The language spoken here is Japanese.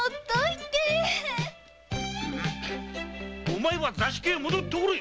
お前は座敷に戻っておれ！